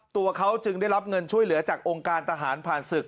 ตัวเขาจึงได้รับเงินช่วยเหลือจากองค์การทหารผ่านศึก